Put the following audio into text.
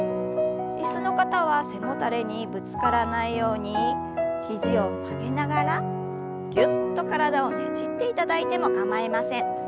椅子の方は背もたれにぶつからないように肘を曲げながらぎゅっと体をねじっていただいても構いません。